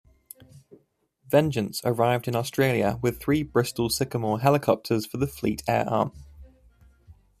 "Vengeance" arrived in Australia with three Bristol Sycamore helicopters for the Fleet Air Arm.